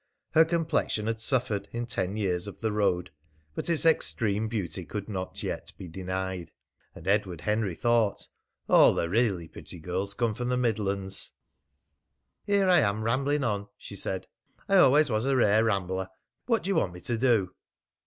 Her complexion had suffered in ten years of the road, but its extreme beauty could not yet be denied. And Edward Henry thought: "All the really pretty girls come from the Midlands!" "Here I am rambling on," she said. "I always was a rare rambler. What do you want me to do?"